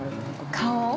◆顔。